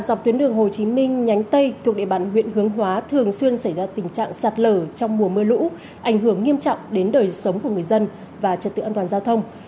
dọc tuyến đường hồ chí minh nhánh tây thuộc địa bàn huyện hướng hóa thường xuyên xảy ra tình trạng sạt lở trong mùa mưa lũ ảnh hưởng nghiêm trọng đến đời sống của người dân và trật tự an toàn giao thông